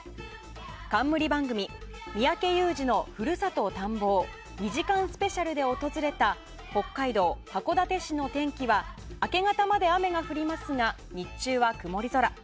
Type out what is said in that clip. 冠番組「三宅裕司のふるさと探訪」２時間スペシャルで訪れた北海道函館市の天気は明け方まで雨が降りますが日中は曇り空。